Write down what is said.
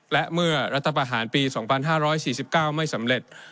และเมื่อรัฐประหารปี๒๕๔๙ไม่สำเร็จ